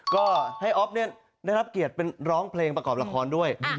ก็ให้อ๊อฟได้รับเกียรติเป็นร้องเพลงประกอบละครด้วย